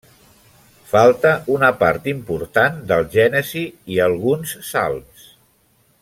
Falta una part important del Gènesi i alguns Salms.